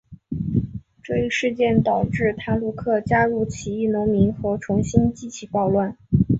这一事件导致塔鲁克加入起义农民和重新激起暴乱。